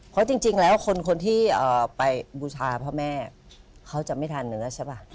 เพราะจริงแล้วคนที่ไปบูชาพ่อแม่เขาจะไม่ทานเนื้อใช่ป่ะ